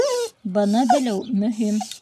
Быны белеү мөһим.